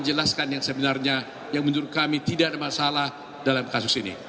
menjelaskan yang sebenarnya yang menurut kami tidak ada masalah dalam kasus ini